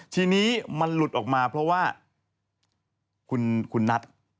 ทีนี้มันหลุดออกมาเพราะว่าคุณนัท